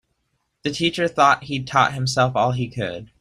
The teacher thought that he'd taught himself all he could.